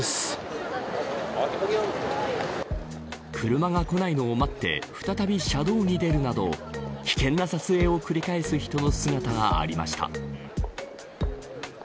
車がこないのを待って再び車道に出るなど危険な撮影を繰り返す人の姿がありました。